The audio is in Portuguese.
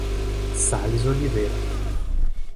Sales Oliveira